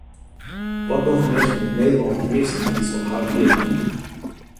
Wat dogge minsken út Nederlân meastentiids op harren jierdei?